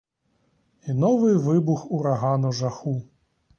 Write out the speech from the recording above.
І новий вибух урагану жаху.